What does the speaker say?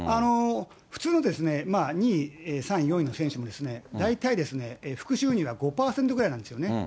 普通のですね、２位、３位、４位の選手も、大体、副収入は５％ぐらいなんですよね。